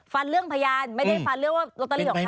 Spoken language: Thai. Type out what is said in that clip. เรื่องพยานไม่ได้ฟันเรื่องว่าลอตเตอรี่ของเขา